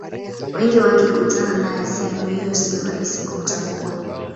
wengi wakikutana nae sehemu hiyo siyo rahisi kumtambua